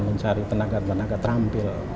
mencari tenaga tenaga terampil